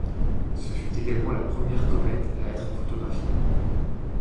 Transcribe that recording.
Ce fut également la première comète à être photographiée.